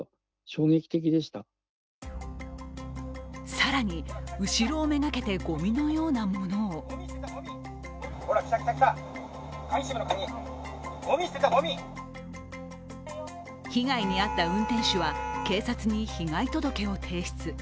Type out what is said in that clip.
更に、後ろをめがけてごみのようなものを被害に遭った運転手は警察に被害届を提出。